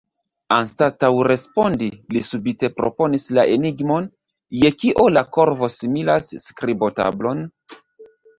Anstataŭ respondi, li subite proponis la enigmon: "Je kio la korvo similas skribotablon?"